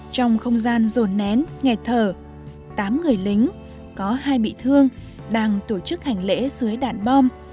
trong không gian rồn nén nghẹt thở tám người lính có hai bị thương đang tổ chức hành lễ dưới đạn bom